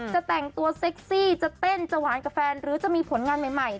จะแต่งตัวเซ็กซี่จะเต้นจะหวานกับแฟนหรือจะมีผลงานใหม่